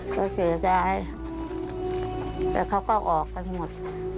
ก็คือยายแล้วเขาก็ออกกันหมด